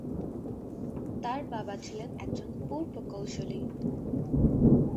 তার বাবা ছিলেন একজন পুর প্রকৌশলী।